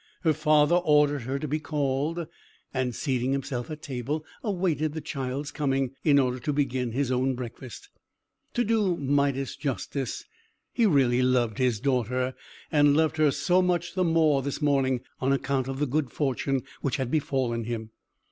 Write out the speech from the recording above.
Her father ordered her to be called, and, seating himself at table, awaited the child's coming, in order to begin his own breakfast. To do Midas justice, he really loved his daughter, and loved her so much the more this morning, on account of the good fortune which had befallen him.